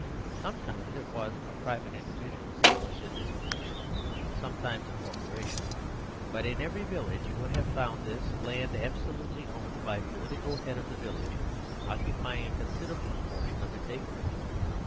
Some times it was a private individual who was in this posi tion, sometimes a corporation, but in every village you would have found this demesne land absolutely owned by the political head of the village, occupying a considerable proportion of its acreage.